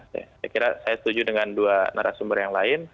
saya kira saya setuju dengan dua narasumber yang lain